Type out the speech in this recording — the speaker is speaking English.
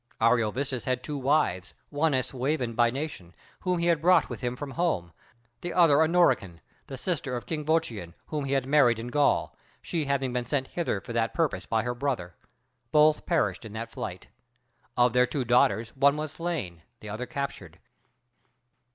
Ariovistus had two wives, one a Suevan by nation, whom he had brought with him from home; the other a Norican, the sister of King Vocion, whom he had married in Gaul, she having been sent thither for that purpose by her brother. Both perished in that flight. Of their two daughters, one was slain, the other captured.